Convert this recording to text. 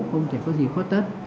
không thể có gì khuất tất